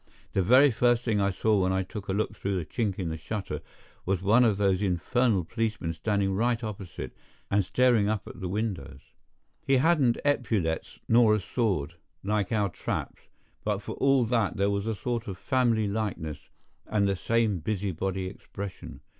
The very first thing I saw when I took a look through a chink in the shutter was one of these infernal policemen standing right opposite and staring up at the windows. He hadn't epaulets nor a sword, like our traps, but for all that there was a sort of family likeness, and the same busybody expression.